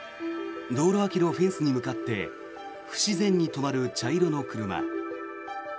道路脇のフェンスに向かって不自然に止まる茶色の車。